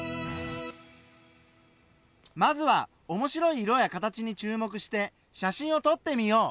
まずは面白い色や形に注目して写真を撮ってみよう。